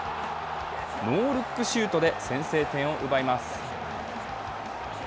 ノールックシュートで先制点を奪います。